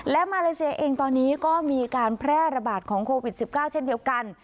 และมาเลเซียเองตอนนี้ก็มีการแพร่ระบาดของโควิด๑๙เช่นเดียวกัน